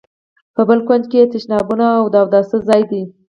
په بل کونج کې یې تشنابونه او د اوداسه ځای دی.